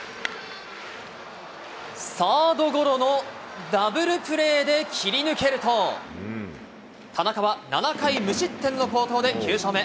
サードゴロのダブルプレーで切り抜けると、田中は７回無失点の好投で９勝目。